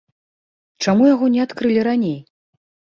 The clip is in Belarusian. Чаму яго не адкрылі раней?